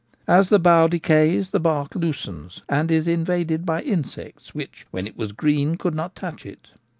As the bough decays the bark loosens, and is invaded by insects which when it was green could not touch it.